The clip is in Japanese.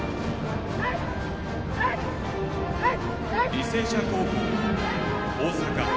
履正社高校・大阪。